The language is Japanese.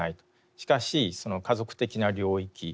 しかしその家族的な領域文化の領域